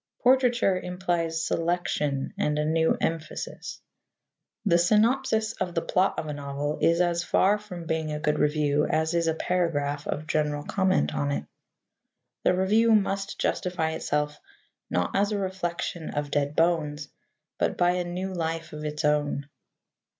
Portraiture implies selection and a new emphasis. The synopsis of the plot of a novel is as far from being a good review as is a paragraph of general comment on it. The review must justify itself, not as a reflection of dead bones, but by a new life of its own.